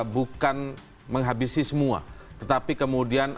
bukan menghabisi semua tetapi kemudian